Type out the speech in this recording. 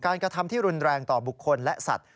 กระทำที่รุนแรงต่อบุคคลและสัตว